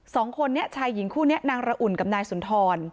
สองคนนี้ชายหญิงคู่นี้นางระอุ่นกับนายสุนทร